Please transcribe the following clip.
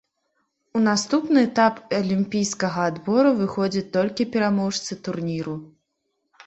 У наступны этап алімпійскага адбору выходзяць толькі пераможцы турніру.